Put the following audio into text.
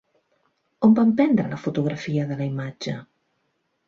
On van prendre la fotografia de la imatge?